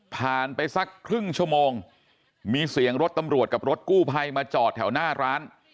ไปสักครึ่งชั่วโมงมีเสียงรถตำรวจกับรถกู้ภัยมาจอดแถวหน้าร้าน